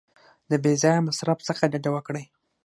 د بې ځایه مصرف څخه ډډه وکړئ.